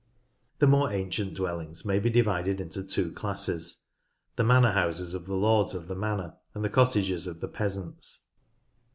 The more ancient dwellings may be divided into two classes — the manor houses of the lords of the manor, and the cottages of the peasants.